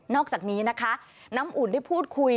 อกจากนี้นะคะน้ำอุ่นได้พูดคุย